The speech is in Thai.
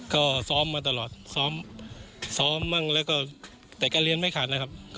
ก็ซ้อมมาตลอดซ้อมซ้อมบ้างแล้วก็แต่การเรียนไม่ขาดนะครับ